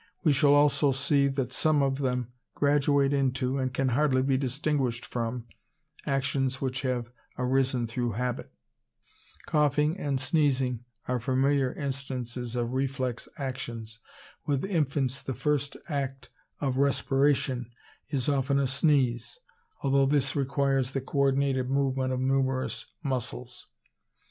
We shall also see that some of them graduate into, and can hardly be distinguished from actions which have arisen through habit? Coughing and sneezing are familiar instances of reflex actions. With infants the first act of respiration is often a sneeze, although this requires the co ordinated movement of numerous muscles.